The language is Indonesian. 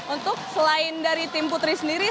untuk selain dari tim putri sendiri